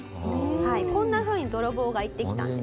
はいこんなふうに泥棒が言ってきたんです。